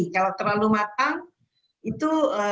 kalau terlalu matang itu